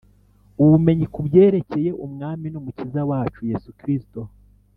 ubumenyi ku byerekeye Umwami n’Umukiza wacu Yesu Kristo